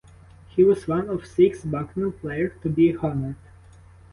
He was one of six Bucknell player to be honored.